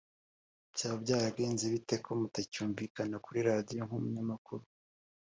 Byaba byaragenze bite ko mutacyumvikana kuri Radiyo nk’umunyamakuru